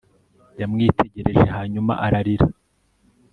Yaramwitegereje hanyuma ararira